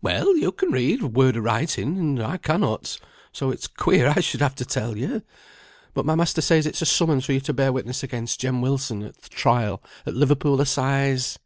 "Well! yo can read word of writing and I cannot, so it's queer I should have to tell you. But my master says it's a summons for yo to bear witness again Jem Wilson, at th' trial at Liverpool Assize."